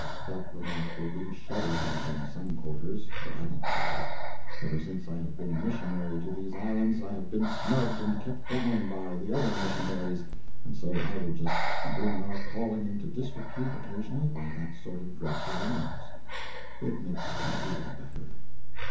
[That remark will be shuddered at in some quarters. But I don't care. Ever since I have been a missionary to these islands I have been snubbed and kept down by the other missionaries, and so I will just bring our calling into disrepute occasionally by that sort of dreadful remarks. It makes me feel better.